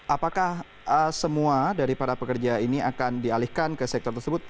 apakah semua dari para pekerja ini akan dialihkan ke sektor tersebut